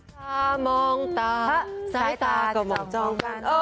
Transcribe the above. ตามองตาซ้ายตากว่ามองจอง